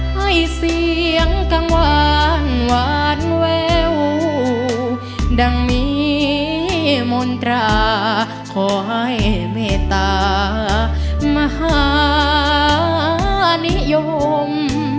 ให้เสียงกังวานหวานแววดังมีมนตราขอให้เมตตามหานิยม